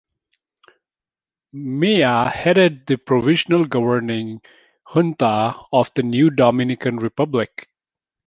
Mella headed the provisional governing junta of the new Dominican Republic.